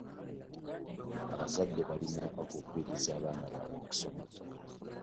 Abazadde balina okukubiriza abaana baabwe okusoma